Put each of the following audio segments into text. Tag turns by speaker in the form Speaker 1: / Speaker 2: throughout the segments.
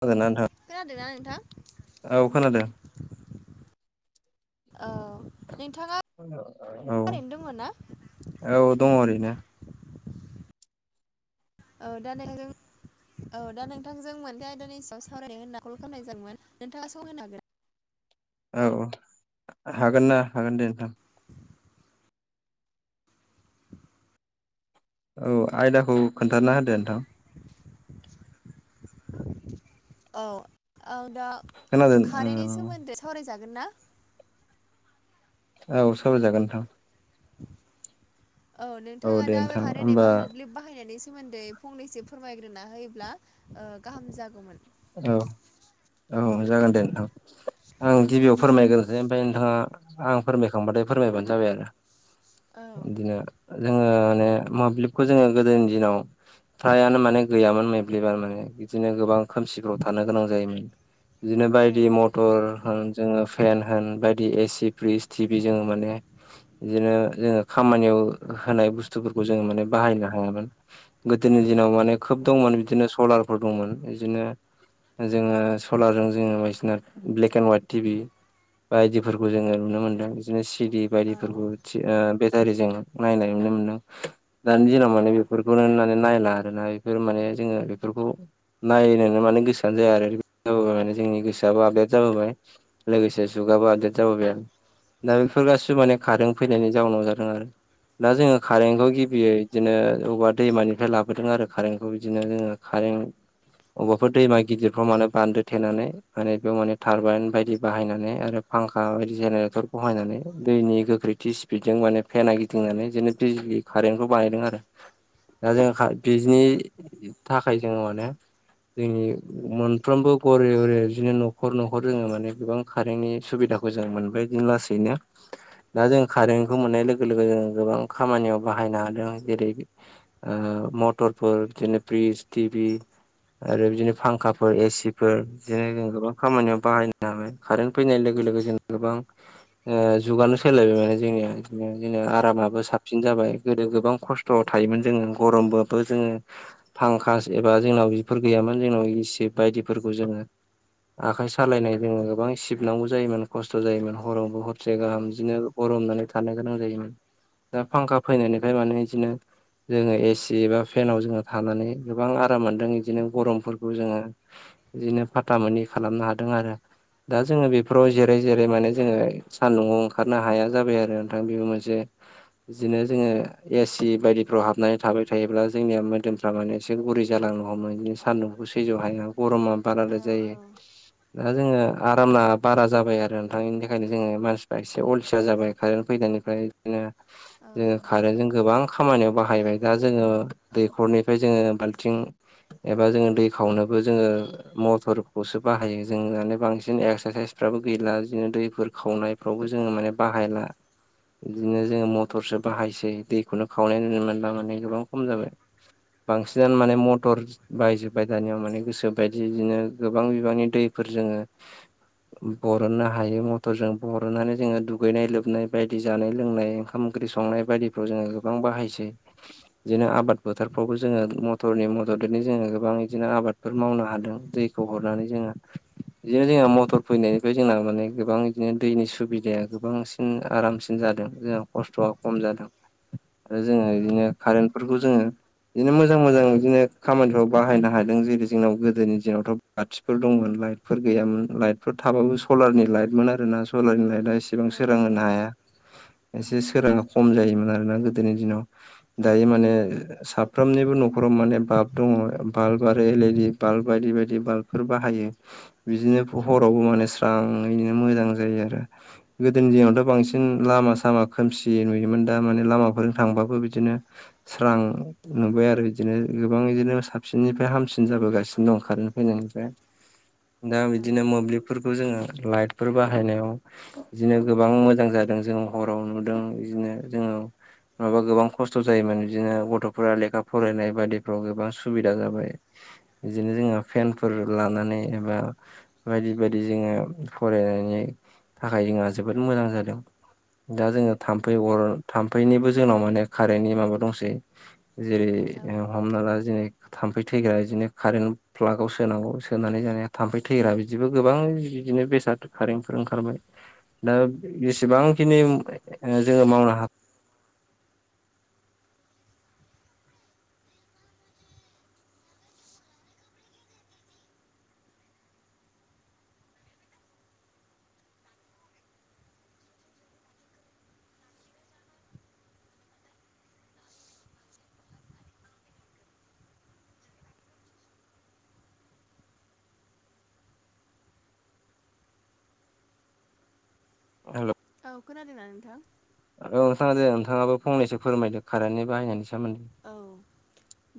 Speaker 1: [unintelligible] नोंथां
Speaker 2: खोनादोंना नोंथां
Speaker 1: औ खोनादों
Speaker 2: औ नोंथाङा
Speaker 1: औ
Speaker 2: ओरैनो दं ना
Speaker 1: औ दङ ओरैनो
Speaker 2: औ दा नोंथांजों औ दा नोंथांजों मोनसे आयदानि सायाव सावरायनो होनना कल खालामनाय जादोंमोन नोंथाङा सम होनो हागोन
Speaker 1: औ औ हागोन ना हागोन दे नोंथां औ आयदाखौ खोन्थाना होदो नोंथां
Speaker 2: औ आं दा
Speaker 1: खोनादों
Speaker 2: कारेन्टनि सोमोन्दै सावरायजागोन ना
Speaker 1: औ सावराय जागोन नोंथां
Speaker 2: औ नोंथाङा
Speaker 1: दे
Speaker 2: दा बे
Speaker 1: नोंथां
Speaker 2: कारेन्ट
Speaker 1: होमबा
Speaker 2: एबा मोब्लिब बाहायनायनि सोमोन्दै फंनैसो फोरमायग्रोना होयोब्ला गाहाम जागौमोन
Speaker 1: औ औ जागोन दे नोंथां आं गिबियाव फोरमायग्रोनोसै ओमफ्राय नोंथाङा आं फोरमायखांबाथाय फोरमायबानो जाबाय आरो
Speaker 2: औ
Speaker 1: बिदिनो जोङो माने मोब्लिबखौ जोङो गोदोनि दिनाव फ्रायानो माने गैयामोन मोब्लिबा माने बिदिनो गोबां खोमसिफ्राव थानो गोनां जायोमोन बिदिनो
Speaker 2: औ
Speaker 1: बायदि मथर ओ जोङो फेन होन बायदि एसि फ्रिज टि भि जोङो माने बिदिनो जोङो खामानियाव होनाय बुस्थुफोरखौ जोङो माने बाहायनो हायामोन। गोदोनि दिनाव
Speaker 2: औ
Speaker 1: माने खोब दंमोन बिदिनो सलारफोर दंमोन। बिदिनो जोङो सलारजों जोङो बायदिसिना ब्लेक एन्ड हाइट टिभि बायदिफोरखौ जोङो नुनो मोनदों बिदिनो सिडि
Speaker 2: औ
Speaker 1: बायदिफोरखौ ओ बेटारिजों नायनाय नुनो मोनदों। दानि दिनाव माने बेफोरखौनो माने नायला आरो ना बेफोर माने जोङो बेफोरखौ नायनोनो माने गोसोआनो जाया आरो जाबोबाय माने जोंनि गोसोआबो आपडेट जाबोबाय। लोगोसे जुगाबो आपदेड जाबोबाय आरो। दा बेफोर गासिबो माने खारें फैनायनि जाउनाव जादों आरो दा जोङो कारेन्टखौ गिबियै बिदिनो अबेबा दैमानिफ्राय लाबोदों आरो कारेन्टखौ बिदिनो जोङो कारेन्ट अबेबाफोर दैमा गिदिरफ्राव मान बान्दो थेनानै माने बेयाव माने टारबाइन बायदि बाहायनानै आरो फांखा बायदि जेनेरेटर बहायनानै दैनि गोख्रैथि स्पिडजों माने फेना गिदिंनानै जेननो बिज कारेन्टखौ बानायदों आरो दा जों बिनि
Speaker 2: उम
Speaker 1: थाखाय जोङो माने जोंनि मोनफ्रोमबो घरे घरे बिदिनो न'खर न'खर जोङो माने गोबां कारेन्टनि सुबिदाखौ मोजां मोनबाय बिदिनो लासैनो दा जों कारेन्टखौ मोननाय लोगो लोगो जों गोबां खामानियाव बाहायनो हादों। जेरै ओ मटरफोर बिदिनो फ्रिज टिभि आरो बिदिनो फांखाफोर एसिफोर बिदिनो जों गोबां खामानियाव बाहायनो हाबाय कारेन्ट फैनाय लोगो लोगो जों गोबां ओ जुगानो सोलायबाय माने जोंनिया जों
Speaker 2: औ
Speaker 1: आरामाबो साबसिन जाबाय गोदो गोबां खस्थ' थायोमोन जोङो गरमबाबबो जोङो फांकास एबा जोंनाव बेफोर गैयामोन जोंनाव इसि बायदिफोरखौ जोङो आखाइ सालायनाय जोङो गोबां सिबनांगौ जायोमोन खस्थ' जायोमोन हरावबो हरसेे
Speaker 2: औ
Speaker 1: गाहाम बिदिनो गरमनानै थानो गोनां जायोमोन दा फांखा फैनायनिफ्रायाय माने इदिनो जोङो एसि बा फेनाव जोङो थानानै गोबां आराम मोनदों। बिदिनो गरमफोरखौ जोङो बिदिनो फाथा मोनै खालामनो हादों आरो। दा जोङो
Speaker 2: औ
Speaker 1: बेफोराव जेराय जेराय माने जोङो सान्दुंआव ओंखारनो हाया जाबाय आरो नोंथां बेबो मोनसे बिदिनो जोङो एसि बायदिफ्राव हाबनानै थाबाय थायोब्ला जोंनिया मोदोमफ्रा माने एसे गुरै जालांङो। गरमाव सान्दुंखौ सैयज हाया गरमा बाराद्राय
Speaker 2: औ
Speaker 1: जायो। दा जोङो आरामा बारा जाबाय आरो नोथां बेनि थाखायनो जोङो मानसिफ्रा एसे अलसिया जाबाय कारेन्ट फैनायनिफ्राय। बिदिनो जोङो कारेन्जों गोबां खामानियाव बाहायबाय दा जोङो दैखरनिफ्राय जोङो बाल्थिं एबा जोङो दै खावनोबो जोङो मथरखौसो बाहायो जों माने बांसिन एक्सारसाइसफ्राबो गैला बिदिनो दैफोर खावनाय फ्रावबो जोङो माने बाहायला बिदिनो जोङो मथरसो बाहायसै दै खौनो खावनाय नुनो मोनला माने गोबां खम जाबाय बांसिनानो माने म थर बायजोबबाय दानियाव माने गोसो बायदि बिदिनो गोबां बिबांनि दैफोर जोङो बरननो हायो मथरजों बरननानै जोङो दुगैनाय लोबनाय बायदि जानाय लोंनाय ओंखाम ओंख्रि संनाय बायदिफ्राव जोङो गोबां बाहायसै। बिदिनो आबाद फोथारफ्रावबो जोङो मथरनि म बिदिनो जोङो गोबां इदिनो आबादफोर मावनो हादों दैखौ हरनानै जोङो बिदिनो जोंहा मटर फैनायनिफ्राय जोंना माने गोबां इदिनो दैनि सुबिदाया गोबां ओम आरामसिन जादों जोंहा खस्थ'आ खम जादों। आरो जोङो बिदिनो
Speaker 2: औ
Speaker 1: कारेन्टफोरखौ जोङो बिदिनो मोजां मोजां इदिनो खामानिफ्राव बाहायनो हादों जेरै जोंनाव गोदोनि दिनावथ' बाथिफोर दंमोन लाइटफोर गैयामोन लाइट बेफोर थाबाबो सलारनि लाइटमोन आरोना सलारनि लाइटआ इसेबां सोरां होनो हाया। एसे सोरांङा खम जायोमोन आरोना गोदोनि दिनाव। दायो माने साफ्रोमनिबो न'खराव माने बाल्ब दङ बाल्ब आरो एलइडि बाल्ब बायदि बायदि बाल्बफोर बाहायो। बिदिनो हरावबो माने स्रां इदिनो मोजां जायो आरो। गोदोनि दिनावथ' बांसिन लामा सामा खोमसि नुयोमोन। दा माने लामाफोरजों थांबाबो बिदिनो स्रां नुबाय आरो बिदिनो गो बां बिदिनो साबसिननिफ्राय हामसिन जाबोगासिनो दं खारेन फैनायनिफ्राय। दा
Speaker 2: औ
Speaker 1: बिदिनो मोब्लिबफोरखौ जोङो लाइटफोर बाहायनायाव बिदिनो गोबां मोजां जादों जों हराव नुदों बिदिनो जोङो नङाबा गोबां खस्थ' जायोमोन बिदिनो गथ'फोरा लेखा फरायनाय बादि फ्राव गोबां सुबिदा जाबाय बिदिनो जोङो फेनफोर लानानै एबा बायदि बायदि जोङो फरायनायनि थाखाय जोंहा जोबोद मोजां जादों। दा जोङो थाम्फै
Speaker 2: औ
Speaker 1: अर थाम फैनिबो जोंनाव माने कारेन्टनि माबा दंसै जेरै
Speaker 2: औ।
Speaker 1: हमना ला जेरै थाम्फै थैग्रा बिदिनो कारेन्ट प्लागाव सोनांगौ सोनानै जानाया थाम्फै थैग्रा बिदिबो गोबां बिदिनो बेसाद कारेन्फोर ओंखारबाय। दा बेसेबांखिनि जोङो मावनो हा हेल'!
Speaker 2: औ खोनादोंना नोंथां?
Speaker 1: औ नोंथां दे नोंथाङाबो फंनैसो फोरमायदों खारेन्टनि बाहायनायनि सोमोन्दै।
Speaker 2: औ।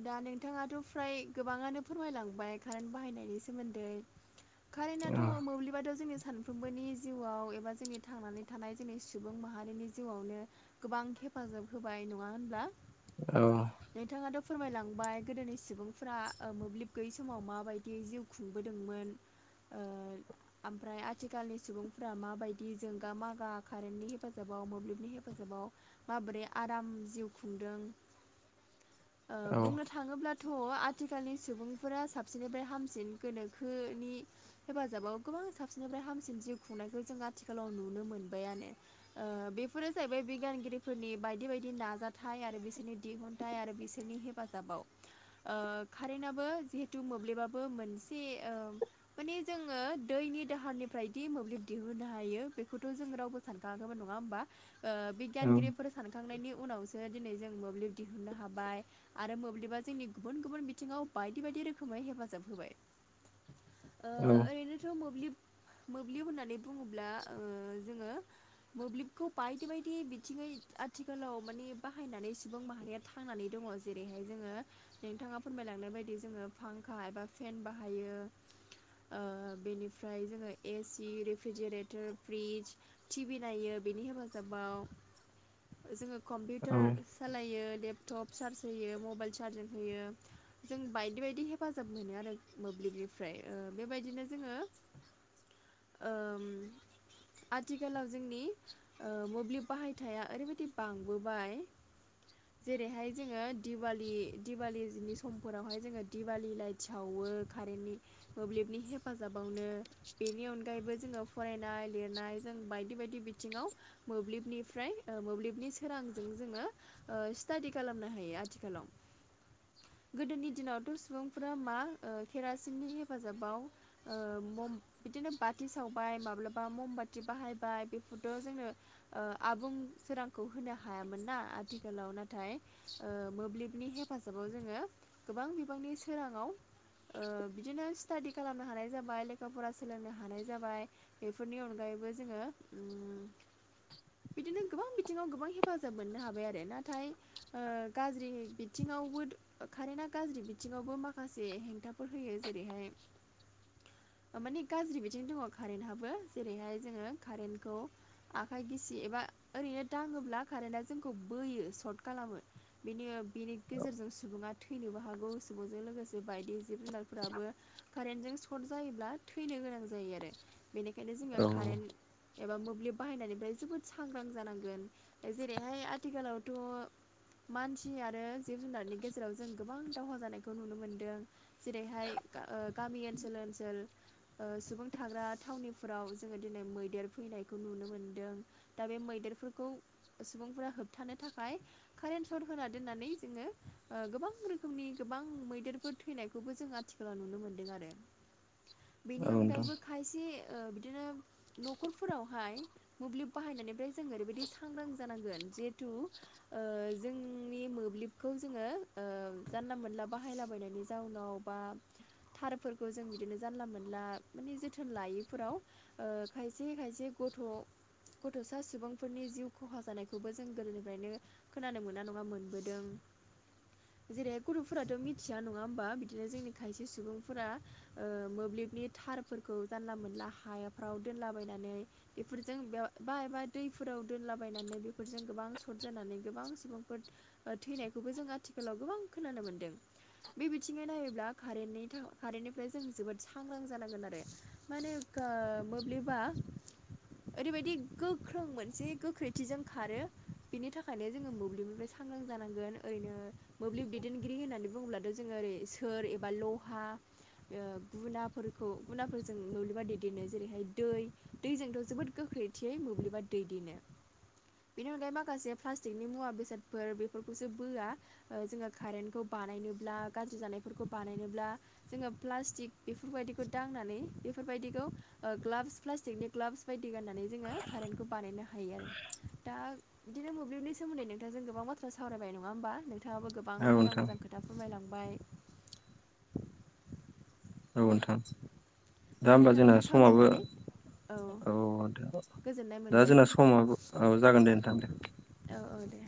Speaker 2: दा नोंथाङाथ' फ्राय गोबाङानो फोरमायलांबाय कारेन्ट बाहायनायनि सोमोन्दै।
Speaker 1: [inaudible]
Speaker 2: कारेन्टआथ' मोब्लिबाथ' जोंनि सानफ्रोमबोनि जिउआव एबा जोंनि थांनानै थानाय जोंनि सुबुं माहारिनि जिउआवनो गोबां हेफाजाब होबाय नङा होनब्ला?
Speaker 1: औ।
Speaker 2: नोंथाङाथ' फोरमायलांबाय गोदोनि सुबुंफ्रा मोब्लिब गैयै समाव माबायदि जिउ खुंबोदोंमोन ओ आमफ्राय आथिखालनि सुबुंफोरा माबायदि जोंगा मागा कारेन्टनि हेफाजाबाव मोब्लिबनि हेफाजाबाव माबोरै आराम जिउ खुंदों। ओ
Speaker 1: औ
Speaker 2: बुंनो थाङोब्ला थ' आथिखालनि सुबुंफोरा साबसिननिफ्राय हामसिन गोनोखोनि हेफाजाबाव गोबां साबसिननिफ्राय हामसिन जिउ खुंनायखौ जों आथिखालाव नुनो मोनबायानो। ओ बेफोरो जाहैबाय बिगियानगिरिफोरनि बायदि बायदि नाजाथाइ आरो बिसोरनि दिहुन्थाइ आरो बिसोरनि हेफाजाबाव। ओ कारेन्टआबो जिहेथु मोब्लिबाबो मोनसे ओ माने जोङो दैनि दाहारनिफ्रायदि मोब्लिब दिहुननो हायो बेखौथ' जों रावबो सानखांङाखैमोन नङा होमबा ओ
Speaker 1: औ
Speaker 2: बिगियानगिरिफोर सानखांनायनि उनावसो दिनै जों मोब्लिब दिहुननो हाबाय। आरो मोब्लिबा जोंनि गुबुन गुबुन बिथिङाव बायदि बायदि रोखोमै हेफाजाब होबाय। ओ
Speaker 1: औ
Speaker 2: ओरैनोथ' मोब्लिब मोब्लिब होननानै बुङोब्ला ओ जोङो मोब्लिबखौ बायदि बायदि बिथिङै आथिखालाव मानिे बाहायनानै सुबुं माहा रिया थांनानै दङ जेरैहाय जोङो नोंथाङा फोरमायलांनाय बायदि जोङो फांखा एबा फेन बाहायो। ओ बेनिफ्राय जोङो AC refrigerator fridge TV नायो बिनि हेफाजाबाव जोङो
Speaker 1: औ
Speaker 2: कम्पिउटार सालायो। लेपटप चार्ज होयो मबाइल चार्जिं होयो। जों बायदि बायदि हेफाजाब मोनो आरो मोब्लिबनिफ्राय ओ बेबायदिनो जोङो ओम आथिखालाव जोंनि ओ मोब्लिब बाहायथाया ओरैबादि बांबोबाय जेरैहाय जोङो दिवालि दिवालिनि समफोरावहाय जोङो दिवालि लाइट सावो कारेन्टनि मोब्लिबनि हेफाजाबावनो बेनि अनगायैबो जोङो फरायनाय लिरनाय जों बायदि बायदि बिथिङाव मोब्लिबनिफ्राय ओ मोब्लिबनि सोरांजों जोङो ओ स्टाडि खालामनो हायो आथिखालाव। गोदोनि दिनावथ' सुबुंफोरा मा ओ केेरासिननि हेफाजाबाव ओ मम बिदिनो बाथि सावबाय माब्लाबा ममबाथि बाहायबाय बेफोरथ' जोंनो ओ आबुं सोरांखौ होनो हायामोन ना आथिखालाव ना थाय ओ मोब्लिबनि हेफाजाबाव जोङो गोबां बिबांनि सोराङाव ओ बिदिनो स्टाादि खालामनो हानाय जाबाय लेखा फरा सोलोंनो हानाय जाबाय बेफोरनि अनगायैबो जोङो उम बिदिनो गोबां बिथिङाव गोबां हेफाजाब मोननो हाबाय आरो। नाथाय ओ गाज्रि बिथिङावबो कारेन्टा गाज्रि बिथिङावबो माखासे हेंथाफोर होयो जेरैहाय ओ माने गाज्रि बिथिं दङ कारेन्टाबो। जेरैहाय जोङो कारेन्टखौ आखाइ गिसि एबा ओरैनो दाङोब्ला कारेन्टआ जोंखौ बोयो सर्ट खालामो। बेनि बेनि गेजेरजों सुबुङा थैनोबो हागौ सुबुंजों लोगोसे बायदि जिब जुनारफोराबो कारेन्टजों सर्ट जायोब्ला थैनो गोनां जायो आरो। बेनिखायनो जोङो
Speaker 1: औ
Speaker 2: कारेन्ट एबा मोब्लिब बाहायनायनिफ्राय जोबोद सांग्रां जानांगोन जेरैहाय आथिखालावथ' मानसि आरो जिब जुनारनि गेजेराव जों गोबां दावहा जानायखौ नुनो मोनदों। जेरैहाय गा ओ गामि ओनसोल ओनसोल ओ सुबुं थाग्रा थावनिफोराव जोङो दिनै मैदेर फैनायखौ नुनो मोनदों। दा बे मैदेरफोरखौ सुबुंफोरा होबथानो थाखाय कारेन्ट सर्ट होना दोन्नानै जोङो ओ गोबां रोखोमनि गोबां मैदेरफोर थैनायखौबो जों आथि फोराव नुनो मोन्दों आरो।
Speaker 1: [unintelligible]
Speaker 2: बेनि
Speaker 1: औ नोंथां
Speaker 2: अनगायैबो खायसे ओ बिदिनो न'खरफोरावहाय मोब्लिब बाहायनायनिफ्राय जों ओरैबायदि सांग्रां जानांगोन जिहेथु ओ जोंनि मोब्लिबखौ जोङो ओ जानला मानला बाहायलाबायनायनि जाउनाव बा थारफोरखौ जों बिदिनो जानला मानला माने जोथोन लायैफोराव ओ खायसे खायसे गथ' गथ'सा सुबुं फोरनि जिउ खहा जानायखौबो जों गोदोनिफ्रायनो खोनानो मोना नङा मोनबोदों। जेरैहाय गुथ'फोराथ' मिथिया नङा होमबा बिदिनो जोंनि खायसे सुबुंफोरा ओ मोब्लिबनि थारफोरखौ जानला मोनला हाफ्राव दोनलाबायनानै बेफोरजों बा एबा दैफोराव दोनलाबायनानै बेफोरजों गोबां सर्ट जानानै गोबां सुबुंफोर ओ थैनायखौबो जों आथिखालाव गोबां खोनानो मोनदों। बे बिथिङै नायोब्ला कारेन्टनि थाखाय कारेन्टनिफ्राय जों जोबोद सांग्रां जानांगोन आरो। माने गा मोब्लिबा ओरैबायदि गोख्रों मोनसे गोख्रैथिजों खारो बेनि था खायनो जोङो मोब्लिबनिफ्राय सांग्रां जानांगोन। ओरैनो मोब्लिब दैदेनगिरि होननानै बुङोब्ला दा जोङो ओरै सोर एबा लहा ओ गुनाफोरखौ गुनाफोरजों नलिबा दैदेनो जेरैहाय दै दैजोंथ' जोबोद गोख्रै थियै मोब्लिबा ददेैेनो। बेनि अनगायै माखासे प्लास्टिकनि मुवा बेसादफोर बेफोरखौसो बोआ ओ जोङो कारेन्टखौ बानायनोब्ला गाज्रि जानायफोरखौ बानायनोब्ला जोङो प्लास्टिक बेफोरबायदिखौ दांनानै बेफोरबायदिखौ ओ ग्लाबस प्लास्टिकनि ग्लाबस बायदि गाननानै जोङो कारेन्टखौ बानायनो हायो आरो। दा बिदिनो मोब्लिबनि सोमोनदै नोंथांजों गोबां बाथ्रा सावरायबाय नङा होमबाोंथाङाबो
Speaker 1: औ
Speaker 2: गोबां मोजां
Speaker 1: नोंथां
Speaker 2: मोजां खोथ था फोरमाय लांबाय
Speaker 1: औ नोंथां दा हबा जोंना
Speaker 2: नोंथांजों
Speaker 1: समाबो
Speaker 2: सावरायनानै
Speaker 1: औ दे
Speaker 2: गोजोननाय
Speaker 1: दा
Speaker 2: मोनबाय
Speaker 1: जोंना समाबो औ जागोन दे नोंथां दे
Speaker 2: औ औ दे